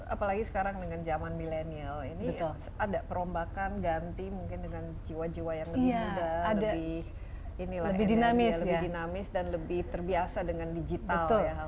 apalagi sekarang dengan zaman milenial ini ada perombakan ganti mungkin dengan jiwa jiwa yang lebih muda lebih dinamis dan lebih terbiasa dengan digital ya